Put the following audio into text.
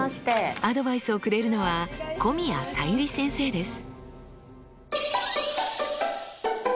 アドバイスをくれるのは古宮才由里先生です。